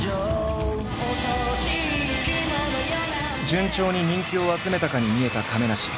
順調に人気を集めたかに見えた亀梨。